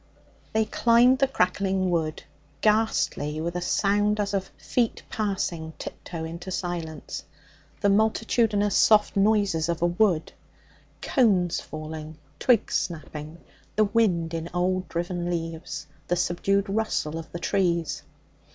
They climbed the crackling wood, ghastly with a sound as of feet passing tiptoe into silence the multitudinous soft noises of a wood, cones falling, twigs snapping, the wind in old driven leaves, the subdued rustle of the trees.